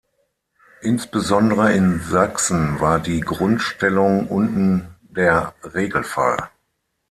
Insbesondere in Sachsen war die Grundstellung unten der Regelfall.